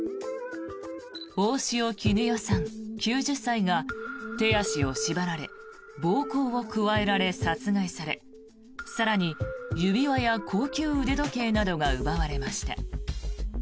大塩衣與さん、９０歳が手足を縛られ暴行を加えられ、殺害され更に、指輪や高級腕時計などが奪われました。